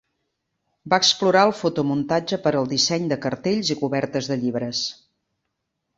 Va explorar el fotomuntatge per al disseny de cartells i cobertes de llibres.